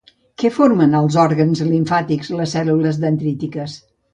Què formen als òrgans limfàtics les cèl·lules dendrítiques?